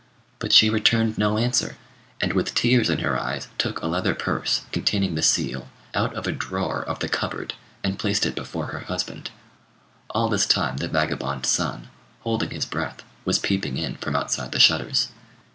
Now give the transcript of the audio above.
But she returned no answer, and with tears in her eyes took a leather purse, containing the seal, out of a drawer of the cupboard and placed it before her husband. All this time the vagabond son, holding his breath, was peeping in from outside the shutters.